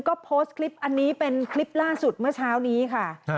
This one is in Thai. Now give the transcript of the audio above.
ก็โพสต์คลิปอันนี้เป็นคลิปล่าสุดเมื่อเช้านี้ค่ะ